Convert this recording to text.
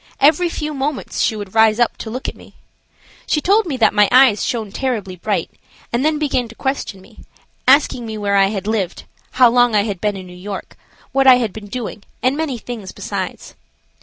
Every few moments she would rise up to look at me. She told me that my eyes shone terribly brightly and then began to question me, asking me where I had lived, how long I had been in New York, what I had been doing, and many things besides.